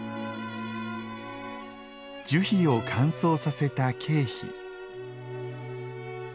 樹皮を乾燥させた「桂皮」。